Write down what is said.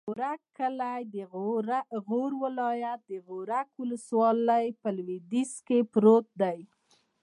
د غورک کلی د غور ولایت، غورک ولسوالي په لویدیځ کې پروت دی.